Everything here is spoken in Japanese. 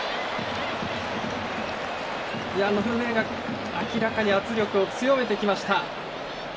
ノルウェーが明らかに圧力を強めてきました。